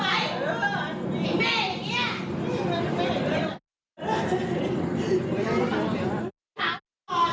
บีเม่ออไปเยี่ยมเข้ามาหลับมาอยากมีอะไร